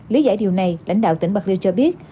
lý giải điều này lãnh đạo tỉnh bạc liêu cho biết